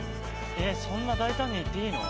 えっそんな大胆にやって良いの？